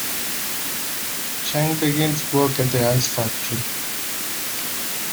Cheng begins work at the ice factory.